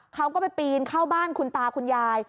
เขาก็ไปปีนเข้าบ้านคุณตาคุณยาย